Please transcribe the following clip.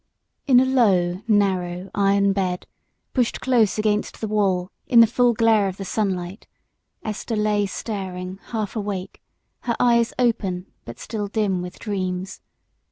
And in a low, narrow iron bed, pushed close against the wall in the full glare of the sunlight, Esther lay staring half awake, her eyes open but still dim with dreams.